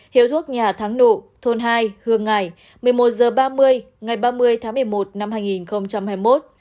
hiếu thuốc nhà tháng nụ thôn hai hương ngài một mươi một h ba mươi ngày ba mươi tháng một mươi một năm hai nghìn hai mươi một